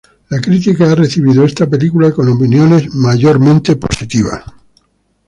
La crítica ha recibido esta película con opiniones mayormente positivas.